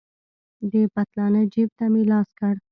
د پتلانه جيب ته مې لاس کړ.